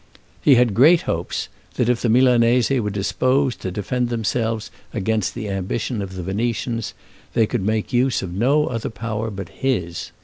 He had great hopes, that if the Milanese were disposed to defend themselves against the ambition of the Venetians, they could make use of no other power but his.